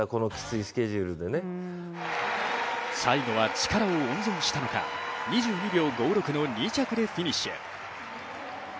最後は力を温存したのか２２秒５６の２着でフィニッシュ。